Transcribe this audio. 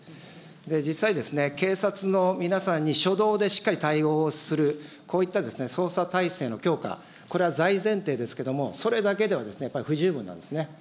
実際、警察の皆さんに初動でしっかり対応をする、こういった捜査体制の強化、これは大前提ですけれども、それだけでは、やっぱり不十分なんですね。